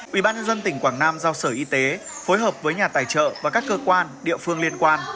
ubnd tỉnh quảng nam giao sở y tế phối hợp với nhà tài trợ và các cơ quan địa phương liên quan